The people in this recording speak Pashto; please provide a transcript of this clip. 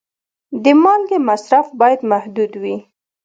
د مالګې مصرف باید محدود وي.